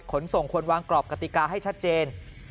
ขนส่งควรวางกรอบกติกาให้ชัดเจน